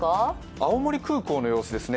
青森空港の様子ですね。